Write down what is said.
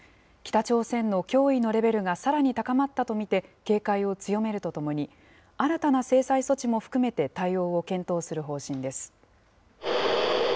北朝鮮の脅威のレベルがさらに高まったと見て警戒を強めるとともに、新たな制裁措置も含めて対応を検討する方針です。